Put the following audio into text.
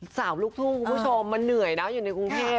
ลูกทุ่งคุณผู้ชมมันเหนื่อยนะอยู่ในกรุงเทพ